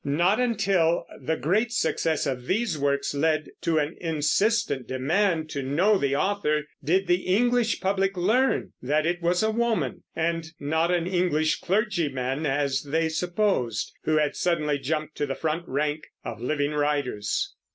Not until the great success of these works led to an insistent demand to know the author did the English public learn that it was a woman, and not an English clergyman, as they supposed, who had suddenly jumped to the front rank of living writers.